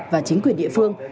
và chính quyền địa phương